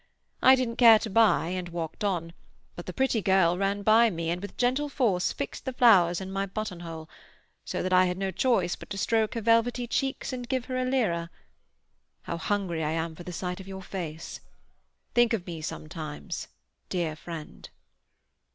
I didn't care to buy, and walked on, but the pretty girl ran by me, and with gentle force fixed the flowers in my button hole, so that I had no choice but to stroke her velvety cheek and give her a lira. How hungry I am for the sight of your face! Think of me sometimes, dear friend."